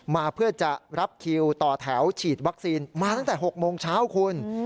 มาเพื่อจะรับคิวต่อแถวฉีดวัคซีนมาตั้งแต่๖โมงเช้าคุณ